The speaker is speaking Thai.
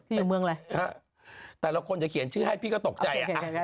แต่ละคนจะเขียนชื่อให้พี่ก็ตกใจ